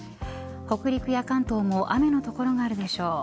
北陸や関東も雨の所があるでしょう。